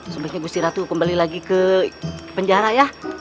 sebetulnya busti ratu kembali lagi ke penjara ya